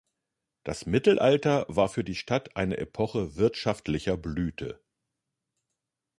Das Mittelalter war für die Stadt eine Epoche wirtschaftlicher Blüte.